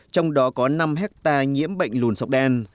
trong đó có năm hectare nhiễm bệnh lùn sọc đen